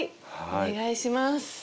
お願いします。